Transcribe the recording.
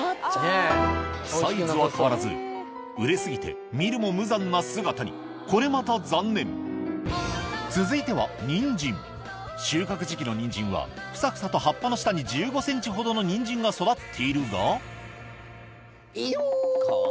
サイズは変わらず熟れ過ぎて見るも無残な姿にこれまた残念続いてはニンジン収穫時期のニンジンはフサフサと葉っぱの下に１５ｃｍほどのニンジンが育っているがいよ！